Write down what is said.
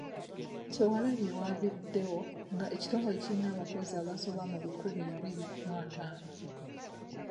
Kyewalabye w’aviiriddewo nga ekitongole kirina abakozi abasoba mu bikumi bibiri mu ataano.